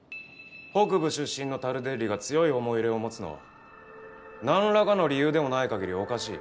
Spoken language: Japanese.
北部出身のタルデッリが強い思い入れを持つのは何らかの理由でもないかぎりおかしい。